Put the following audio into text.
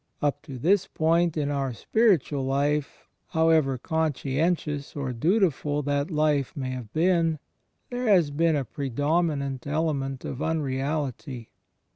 Up to this point in our spiritual life, however conscientious or dutiful that life may have been, there has been a predominant element of imreality.